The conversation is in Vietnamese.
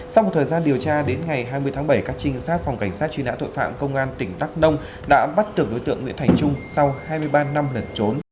sau một thời gian điều tra đến ngày hai mươi tháng bảy các trinh sát phòng cảnh sát truy nã tội phạm công an tỉnh đắk nông đã bắt tưởng đối tượng nguyễn thành trung sau hai mươi ba năm lẩn trốn